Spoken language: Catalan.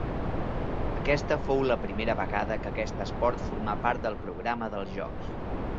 Aquesta fou la primera vegada que aquest esport formà part del programa dels Jocs.